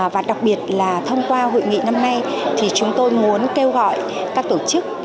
và đặc biệt là thông qua hội nghị năm nay thì chúng tôi muốn kêu gọi các tổ chức